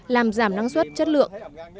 làm giảm năng suất chất lượng